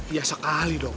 iya sekali dong